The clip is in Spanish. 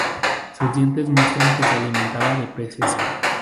Sus dientes muestran que se alimentaba de peces.